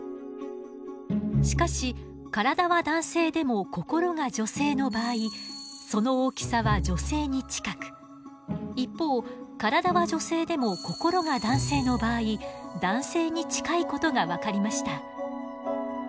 しかし体は男性でも心が女性の場合その大きさは女性に近く一方体は女性でも心が男性の場合男性に近いことが分かりました。